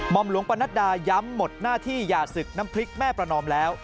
อมหลวงปนัดดาย้ำหมดหน้าที่อย่าศึกน้ำพริกแม่ประนอมแล้ว